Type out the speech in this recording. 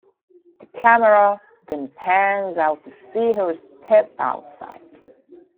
The camera then pans out to see her step outside.